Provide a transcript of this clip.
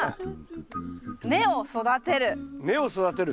根を育てる。